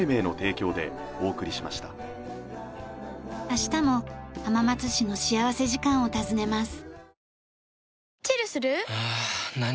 明日も浜松市の幸福時間を訪ねます。